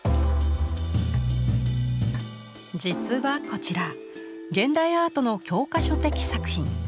実はこちら現代アートの教科書的作品。